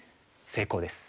成功です。